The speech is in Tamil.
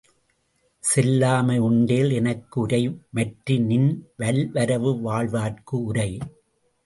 செல்லாமை உண்டேல் எனக்குஉரை மற்றுநின் வல்வரவு வாழ்வார்க்கு உரை.